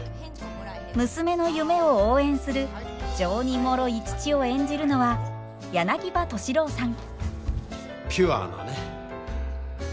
娘の夢を応援する情にもろい父を演じるのは柳葉敏郎さん。